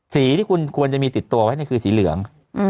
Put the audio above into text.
สีที่คุณควรจะมีติดตัวไว้คือสีเหลือง